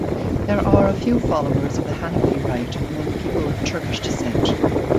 There are a few followers of the Hanafi rite among people of Turkish descent.